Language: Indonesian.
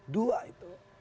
jam dua itu